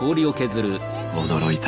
驚いた！